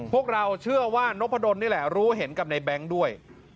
พวกเราเชื่อว่านกพะดนนี่แหละรู้เห็นกับในแบงค์ด้วย